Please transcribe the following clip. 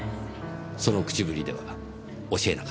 その口ぶりでは教えなかった。